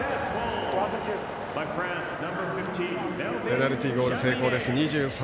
ペナルティーゴール成功です。